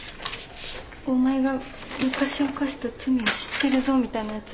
「お前が昔犯した罪を知ってるぞ」みたいなやつ。